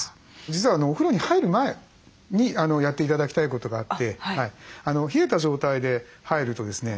実はお風呂に入る前にやって頂きたいことがあって冷えた状態で入るとですね